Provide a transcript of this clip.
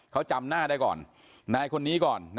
ที่เขาจำหน้าได้ก่อน